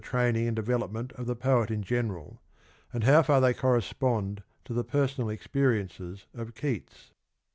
training and development of the poet in general, and how far they correspond to the personal experiences of Keats.